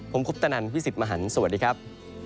ผมคุปตนันพี่สิทธิ์มหันฯสวัสดีครับ